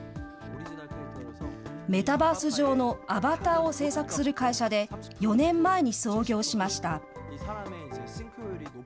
メタバース上のアバターを制作する会社で４年前に創業しました。